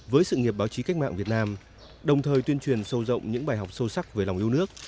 với sự nghiệp báo chí cách mạng việt nam đồng thời tuyên truyền sâu rộng những bài học sâu sắc về lòng yêu nước